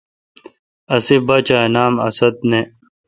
اسے°باچا اے°نام اسد نہ۔